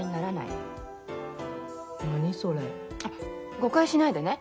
誤解しないでね。